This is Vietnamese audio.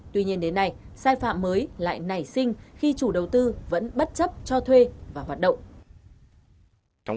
tuy nhiên đến nay sai phạm mới lại nảy sinh khi chủ đầu tư vẫn bất chấp cho thuê và hoạt động